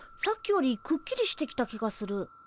さっきよりくっきりしてきた気がする。